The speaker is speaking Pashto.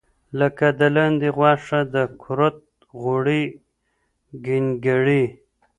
لکه د لاندې غوښه، د کورت غوړي، ګینګړي.